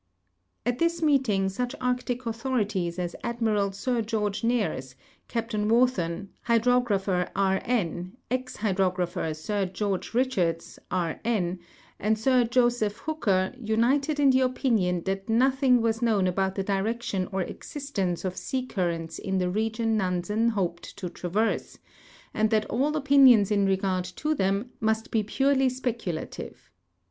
At this meeting such Arctic authorities as Admiral Sir George Nares, Cai)tain Wharton, Hydrogra])her II. N., ex Hydrographer Sir George Bichards, K. N., and Sir Joseph Hooker united in the opinion that nothing was known about the direction or exist ence of sea currents in the region Nansen ho})ed to traverse, and that all o[)inions in regard to them must l)e purely speculative.